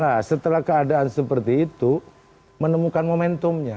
nah setelah keadaan seperti itu menemukan momentumnya